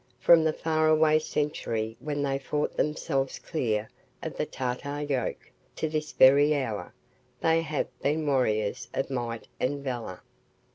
From the faraway century when they fought themselves clear of the Tartar yoke, to this very hour, they have been warriors of might and valor.